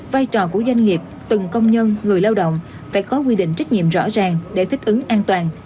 vai trò của doanh nghiệp từng công nhân người lao động phải có quy định trách nhiệm rõ ràng để thích ứng an toàn